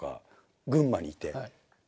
群馬にいて。